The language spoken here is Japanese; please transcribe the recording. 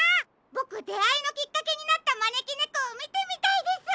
ボクであいのきっかけになったまねきねこをみてみたいです！